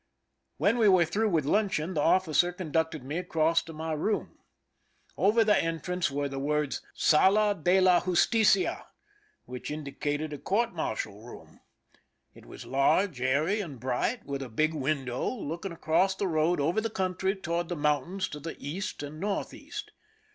When we were through luncheon, the officer con ducted me across to my room. Over the entrance were the words, " Sala de la Justicia," which indi cated a court martial room. It was large, airy, and bright, with a big window looking across the road over the country toward the mountains to the east and northeast.